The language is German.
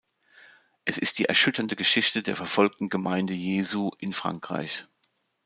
Es ist die erschütternde Geschichte der verfolgten Gemeinde Jesu in Frankreich.